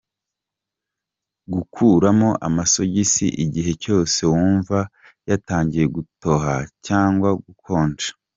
Gukuramo amasogisi igihe cyose wumva yatangiye gutoha cyangwa gukonja,.